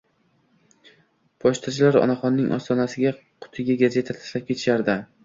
Pochtachilar onaxonning ostonasidagi qutiga gazeta tashlab ketishardi.